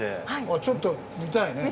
あっちょっと見たいね。